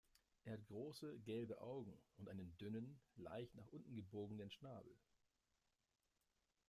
Er hat große, gelbe Augen und einen dünnen, leicht nach unten gebogenen Schnabel.